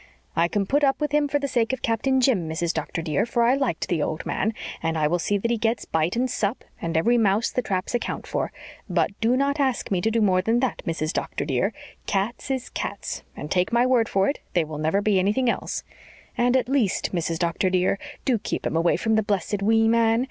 "I can put up with him for the sake of Captain Jim, Mrs. Doctor, dear, for I liked the old man. And I will see that he gets bite and sup, and every mouse the traps account for. But do not ask me to do more than that, Mrs. Doctor, dear. Cats is cats, and take my word for it, they will never be anything else. And at least, Mrs. Doctor, dear, do keep him away from the blessed wee man.